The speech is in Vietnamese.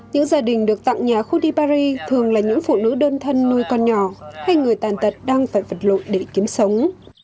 những gia đình được tặng nhà kudibari thường là những phụ nữ đơn thân nuôi con nhỏ hay người tàn tật đang phải vật lụi để kiếm sống